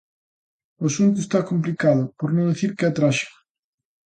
O asunto está complicado por non dicir que é tráxico.